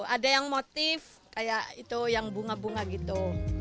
ada yang motif kayak itu yang bunga bunga gitu